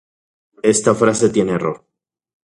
Ye nochipa nechtlajtlanilka seki tamali.